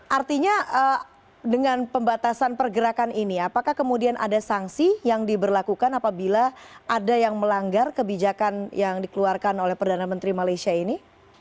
artinya dengan pembatasan pergerakan ini apakah kemudian ada sanksi yang diberlakukan apabila ada yang melanggar kebijakan yang dikeluarkan oleh perdana menteri malaysia ini